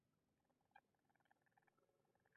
غریب د ژوند نیمګړی کتاب دی